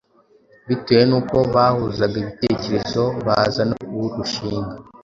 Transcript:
bitewe n’uko bahuzaga ibitekerezo baza no kurushinga